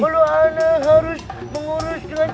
kalau anak harus mengurus dengan cerdasnya